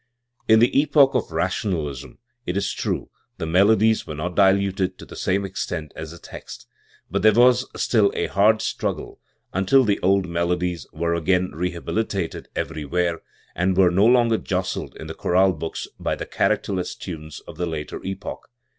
In the epoch of Rationalism, it is true, the melodies were not diluted to the same extent as the text; but there was still a hard struggle until the old melodies were again rehabilitated everywhere, and were no longer jostled in the chorale books by the characterless tunes of the later epoch.